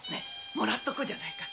もらっておこうじゃないか。